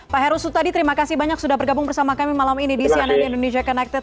pak heru sutadi terima kasih banyak sudah bergabung bersama kami malam ini di cnn indonesia connected